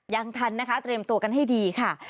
ยังทันนะคะเตรียมตัวกันให้ดีค่ะ